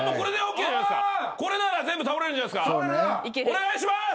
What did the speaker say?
お願いします！